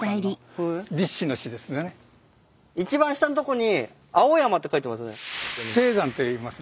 一番下のとこに「青山」って書いてますね。